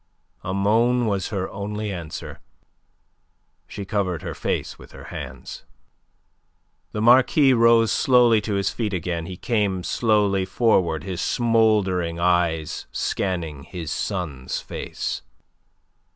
A moan was her only answer. She covered her face with her hands. The Marquis rose slowly to his feet again. He came slowly forward, his smouldering eyes scanning his son's face.